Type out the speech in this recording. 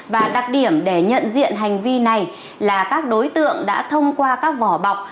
và đặc điểm để nhận diện hành vi này là các đối tượng đã thông qua các vỏ bọc